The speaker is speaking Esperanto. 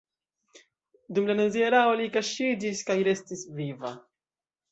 Dum la nazia erao li kaŝiĝis kaj restis viva.